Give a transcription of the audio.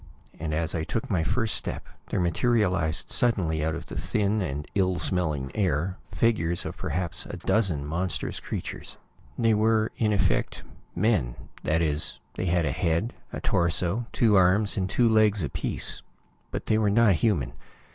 And as I took my first step, there materialized suddenly out of the thin and ill smelling air, the figures of perhaps a dozen monstrous creatures. They were, in effect, men. That is, they had a head, a torso, two arms and two legs apiece. But they were not human.